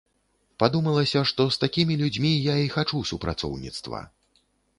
Падумалася, што з такімі людзьмі я і хачу супрацоўніцтва.